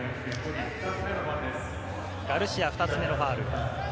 ガルシア、２つ目のファウル。